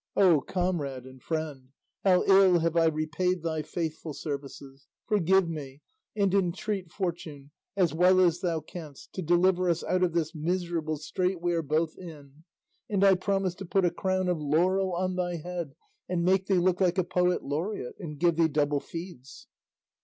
O comrade and friend, how ill have I repaid thy faithful services! Forgive me, and entreat Fortune, as well as thou canst, to deliver us out of this miserable strait we are both in; and I promise to put a crown of laurel on thy head, and make thee look like a poet laureate, and give thee double feeds."